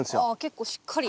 結構しっかり。